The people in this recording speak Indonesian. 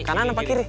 kanan atau kiri